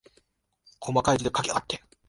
こまかい字で書きやがって。